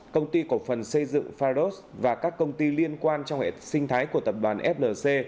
công ty cổ phần xây dựng pharos và các công ty liên quan trong hệ sinh thái của tập đoàn flc